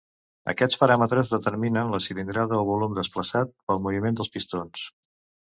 Aquests paràmetres determinen la cilindrada o volum desplaçat pel moviment dels pistons.